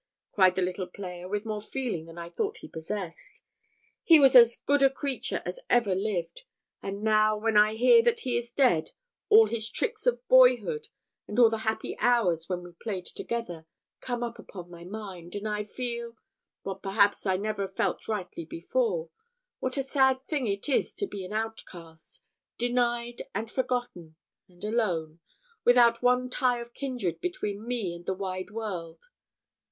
cried the little player, with more feeling than I thought he possessed, "he was as good a creature as ever lived; and now, when I hear that he is dead, all his tricks of boyhood, and all the happy hours when we played together, come up upon my mind, and I feel what perhaps I never felt rightly before what a sad thing it is to be an outcast, denied, and forgotten, and alone, without one tie of kindred between me and all the wide world."